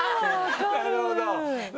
なるほど！